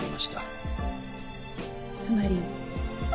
つまり。